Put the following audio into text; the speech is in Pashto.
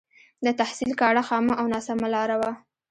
د تحصيل کاڼه خامه او ناسمه لاره وه.